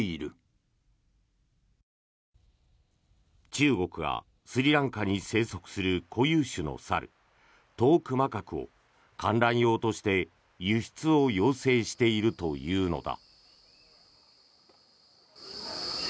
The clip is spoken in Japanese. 中国が、スリランカに生息する固有種の猿トークマカクを観覧用として輸出を要請しているというのだ。